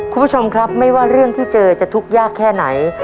คุณผู้ชมครับไม่ว่าเรื่องที่เจอจะทุกข์ยากแค่ไหน